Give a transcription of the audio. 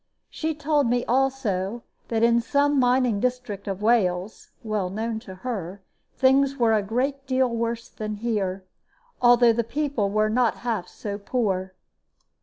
She told me, also, that in some mining district of Wales, well known to her, things were a great deal worse than here, although the people were not half so poor.